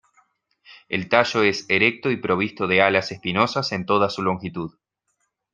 El tallo es erecto y provisto de alas espinosas en toda su longitud.